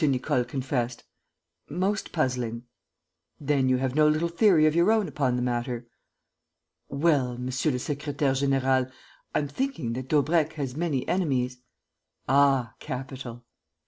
Nicole confessed, "most puzzling." "Then you have no little theory of your own upon the matter?" "Well, monsieur le secrétaire; général, I'm thinking that Daubrecq has many enemies." "Ah, capital!"